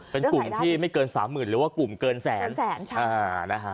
เป็นกลุ่มที่ไม่เกิน๓๐๐๐หรือว่ากลุ่มเกินแสน